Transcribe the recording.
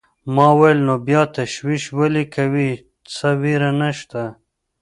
ما وویل: نو بیا تشویش ولې کوې، څه وېره نشته.